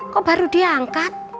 kok baru dia angkat